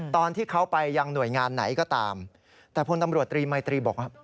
ตอนที่เขาไปยังหน่วยงานไหนก็ตามแต่พลตำรวจตรีมัยตรีบอกว่า